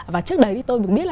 và trước đấy tôi cũng biết là